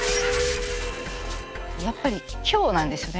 やっぱり今日なんですよね。